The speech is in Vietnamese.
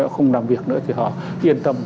họ không làm việc nữa thì họ yên tâm